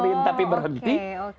diputarin tapi berhenti